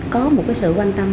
có một sự quan tâm